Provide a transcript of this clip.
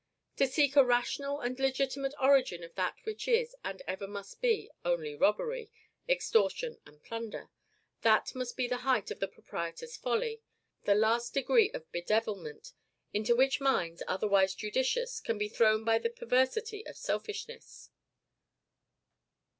To seek a rational and legitimate origin of that which is, and ever must be, only robbery, extortion, and plunder that must be the height of the proprietor's folly; the last degree of bedevilment into which minds, otherwise judicious, can be thrown by the perversity of selfishness.